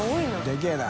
でけぇな。